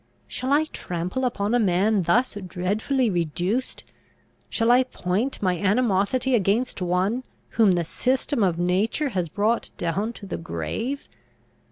"Shall I trample upon a man thus dreadfully reduced? Shall I point my animosity against one, whom the system of nature has brought down to the grave?